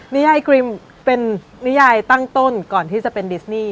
นิยายกรีมเป็นนิยายตั้งต้นก่อนที่จะเป็นดิสนี่